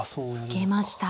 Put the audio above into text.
受けました。